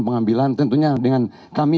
pengambilan tentunya dengan kami